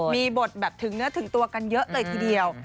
มีบทแบบถึงเนื้อถึงตัวกันเยอะเลยทีเดียว